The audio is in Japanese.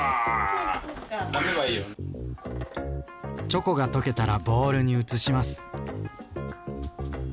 チョコが溶けたらボウルに移します。